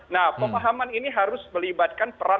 nah pemahaman ini harus melibatkan peran